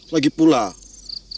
lagipula aku harus melakukannya